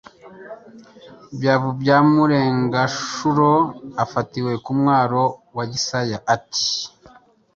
l. Byavu bya Mureganshuro afatiwe ku mwaro wa Gisaya, ati: